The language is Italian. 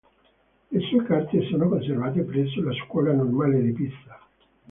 Le sue carte sono conservate presso la Scuola Normale di Pisa.